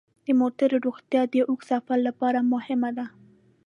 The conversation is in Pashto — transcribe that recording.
د موټرو روغتیا د اوږد سفر لپاره مهمه ده.